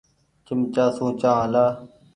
چمچآ سون چآنه هلآ۔